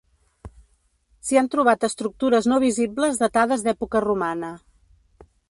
S'hi han trobat estructures no visibles datades d'època romana.